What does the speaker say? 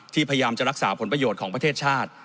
พยายามจะรักษาผลประโยชน์ของประเทศชาติ